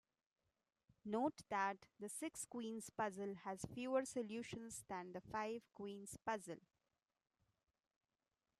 Note that the six queens puzzle has fewer solutions than the five queens puzzle.